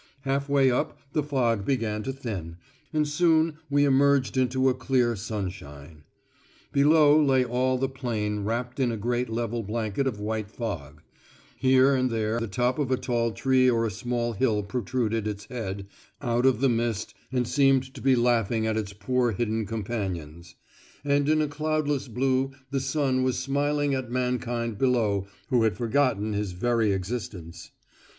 Half way up the fog began to thin, and soon we emerged into a clear sunshine. Below lay all the plain wrapped in a great level blanket of white fog; here and there the top of a tall tree or a small hill protruded its head out of the mist and seemed to be laughing at its poor hidden companions; and in a cloudless blue the sun was smiling at mankind below who had forgotten his very existence.